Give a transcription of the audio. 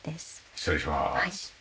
失礼します。